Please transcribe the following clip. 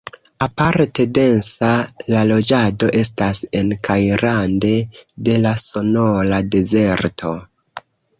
Aparte densa la loĝado estas en kaj rande de la Sonora-dezerto.